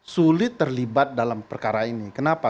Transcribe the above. sulit terlibat dalam perkara ini kenapa